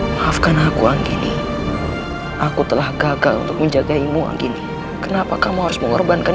maafkan aku angin aku telah gagal untuk menjagaimu angini kenapa kamu harus mengorbankanmu